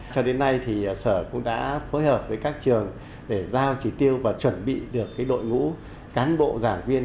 cho đến nay thì sở cũng đã phối hợp với các trường để giao chỉ tiêu và chuẩn bị được đội ngũ cán bộ giảng viên